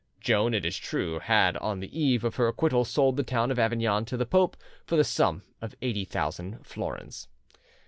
Joan, it is true, had on the eve of her acquittal sold the town of Avignon to the pope for the sum of 80,000 florins.